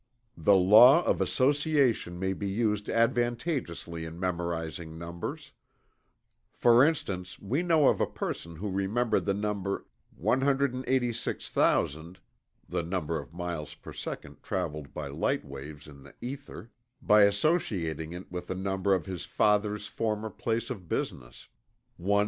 The law of Association may be used advantageously in memorizing numbers; for instance we know of a person who remembered the number 186,000 (the number of miles per second traveled by light waves in the ether) by associating it with the number of his father's former place of business, "186."